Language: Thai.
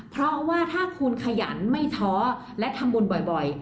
เพราะว่าถ้าคุณขยันไม่ท้อและทำบุญบ่อย